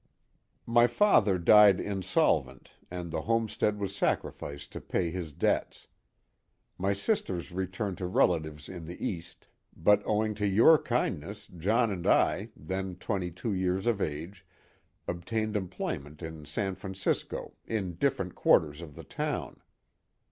My father died insolvent and the homestead was sacrificed to pay his debts. My sisters returned to relatives in the East, but owing to your kindness John and I, then twenty two years of age, obtained employment in San Francisco, in different quarters of the town.